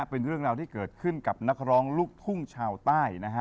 เป็นเรื่องราวที่เกิดขึ้นกับนักร้องลูกทุ่งชาวใต้นะฮะ